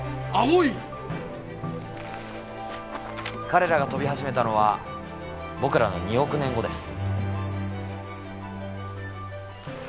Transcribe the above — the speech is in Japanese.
彼らが飛び始めたのは僕らの２億年後です。